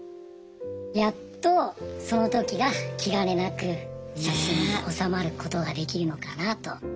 やっとそのときが気兼ねなく写真に収まることができるのかなと。